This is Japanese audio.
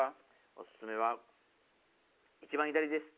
オススメは一番左です。